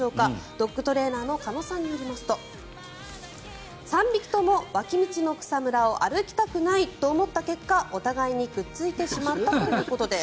ドッグトレーナーの鹿野さんによりますと３匹とも脇道の草むらを歩きたくないと思った結果お互いにくっついてしまったということです。